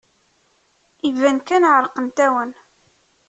Iban kan ɛerqent-awen.